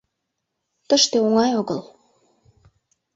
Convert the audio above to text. Тыште оҥай огыл.